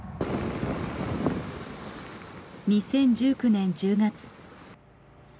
２０１９年１０月。